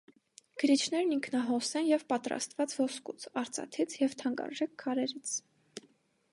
Գրիչներն ինքնահոս են և պատրաստված են ոսկուց, արծաթից և թանկարժեք քարերից։